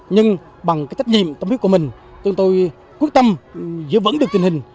nhưng bằng trách nhiệm tâm hữu của mình chúng tôi quyết tâm giữ vững được tình hình